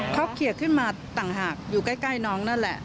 เขาเขียนขึ้นมาต่างหากอยู่ใกล้น้องนั่นแหละ